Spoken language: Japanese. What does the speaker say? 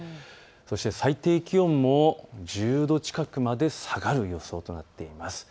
そして最低気温、１０度近くまで下がる予想となっています。